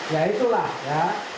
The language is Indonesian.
ya itulah ya